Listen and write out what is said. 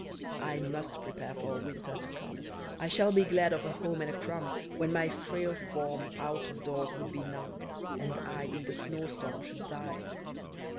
"I must prepare for a winter to come, I shall be glad of a home and a crumb, When my frail form out of doors would be numb, And I in the snow storm should die.